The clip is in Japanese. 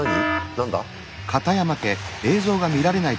何だ？